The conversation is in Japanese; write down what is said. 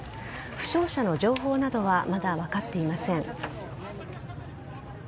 負傷者の情報などはまだ分かっていません。